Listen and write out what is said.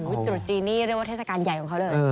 ตรุษจีนนี่เรียกว่าเทศกาลใหญ่ของเขาเลย